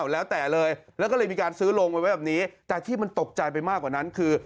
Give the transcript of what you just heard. แล้วแต่เลยแล้วก็เลยมีการซื้อโรงไว้แบบนี้แต่ที่มันตกใจไปมากกว่านั้นคือ